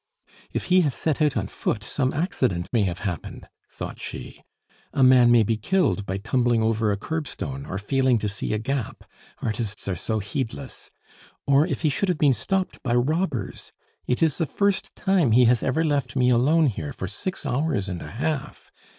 "If he has set out on foot, some accident may have happened," thought she. "A man may be killed by tumbling over a curbstone or failing to see a gap. Artists are so heedless! Or if he should have been stopped by robbers! It is the first time he has ever left me alone here for six hours and a half!